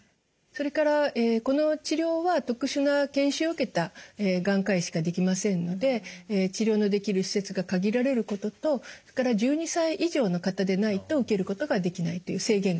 それからこの治療は特殊な研修を受けた眼科医しかできませんので治療のできる施設が限られることとそれから１２歳以上の方でないと受けることができないという制限があります。